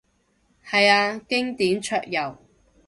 係啊，經典桌遊